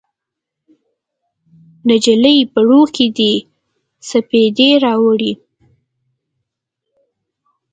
نجلۍ بڼو کې دې سپیدې راوړي